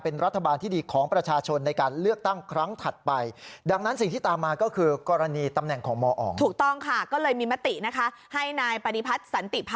พ้นจากสมาชิกภาพ